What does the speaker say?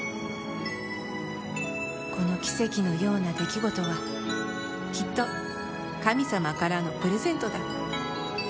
この奇跡のような出来事はきっと神様からのプレゼントだ。